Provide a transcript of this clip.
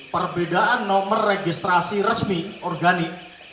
perbedaan nomor registrasi resmi organik